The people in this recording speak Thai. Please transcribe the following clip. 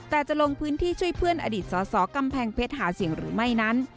แต่จะลงพื้นที่ช่วยเพื่อนอดีตสอสอกำแพงเพชรหาเสียงหรือไม่นั้น